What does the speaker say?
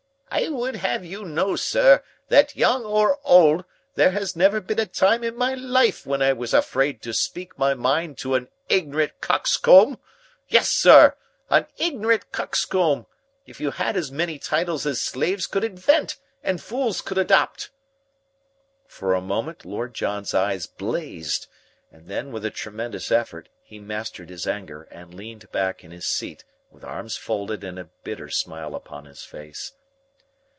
"I would have you know, sir, that, young or old, there has never been a time in my life when I was afraid to speak my mind to an ignorant coxcomb yes, sir, an ignorant coxcomb, if you had as many titles as slaves could invent and fools could adopt." For a moment Lord John's eyes blazed, and then, with a tremendous effort, he mastered his anger and leaned back in his seat with arms folded and a bitter smile upon his face.